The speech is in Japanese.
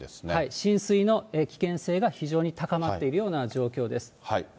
浸水の危険性が非常に高まっているような状況です。